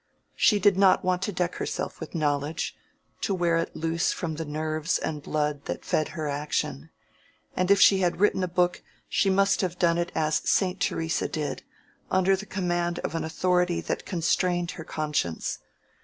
She did not want to deck herself with knowledge—to wear it loose from the nerves and blood that fed her action; and if she had written a book she must have done it as Saint Theresa did, under the command of an authority that constrained her conscience.